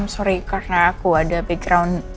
sorry karena aku ada background